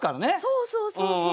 そうそうそうそう。